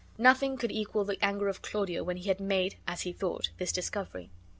Nothing could equal the anger of Claudio when he had made (as be thought) this discovery.